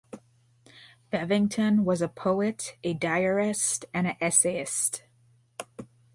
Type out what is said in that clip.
Bevington was a poet, a diarist, and an essayist.